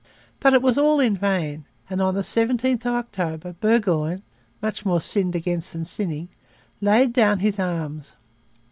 But it was all in vain; and, on the 17th of October, Burgoyne much more sinned against than sinning laid down his arms.